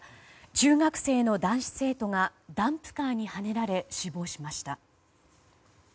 中学生の男子生徒がダンプカーにはねられ死亡しました。